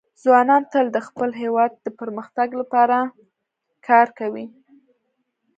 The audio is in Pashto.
ځوانان تل د خپل هېواد د پرمختګ لپاره کار کوي.